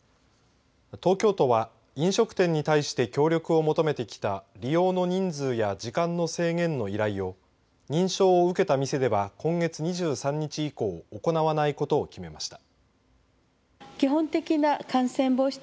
東京都は飲食店に対して協力を求めてきた利用の人数や時間の制限の依頼を認証を受けた店では今月２３日以降行わないことを決めました。